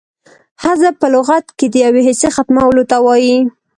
حذف په لغت کښي د یوې حصې ختمولو ته وايي.